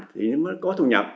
thì nó mới có thu nhập